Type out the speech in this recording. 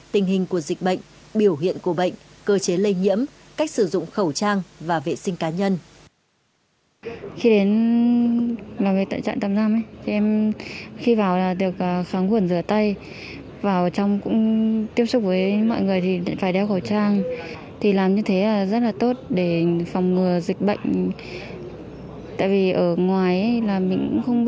tình hình của dịch bệnh biểu hiện của bệnh cơ chế lây nhiễm cách sử dụng khẩu trang và vệ sinh cá nhân